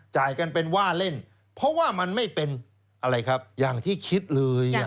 จ่ายกันเป็นว่าเล่นเพราะว่ามันไม่เป็นอะไรครับอย่างที่คิดเลย